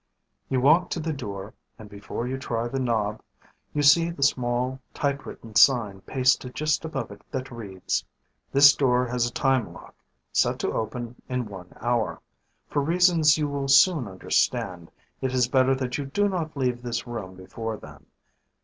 You walk to the door and before you try the knob, you see the small typewritten sign pasted just above it that reads: This door has a time lock set to open in one hour. For reasons you will soon understand, it is better that you do not leave this room before then.